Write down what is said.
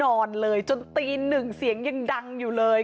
นอนเลยจนตีหนึ่งเสียงยังดังอยู่เลย